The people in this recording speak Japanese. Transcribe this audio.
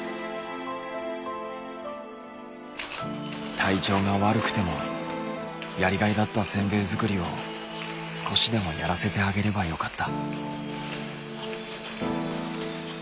体調が悪くてもやりがいだったせんべい作りを少しでもやらせてあげればよかった。